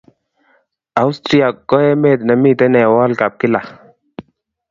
Austraia ko emet ne miten en world cup kila